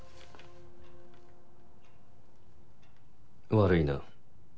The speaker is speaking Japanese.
悪いな。